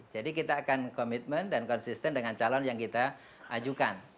jadi kita akan komitmen dan konsisten dengan calon yang kita ajukan